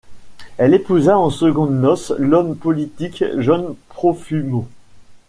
Elle épousa en secondes noces l'homme politique John Profumo.